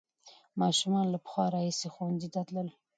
ماشومان له پخوا راهیسې ښوونځي ته تلل.